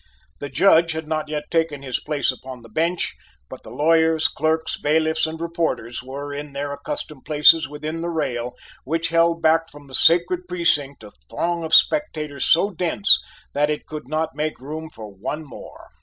The Judge had not yet taken his place upon the bench, but the lawyers, clerks, bailiffs, and reporters were in their accustomed places within the rail which held back from the sacred precinct a throng of spectators so dense that it could not make room for one more.